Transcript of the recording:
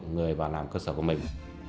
người vào làm cơ sở của mình